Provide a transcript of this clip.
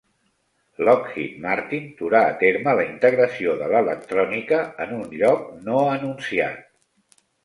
Lockheed Martin durà a terme la integració de l'electrònica en un lloc no anunciat.